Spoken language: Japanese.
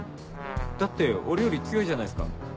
だって俺より強いじゃないっすか。